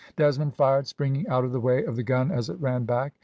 Desmond fired, springing out of the way of the gun as it ran back.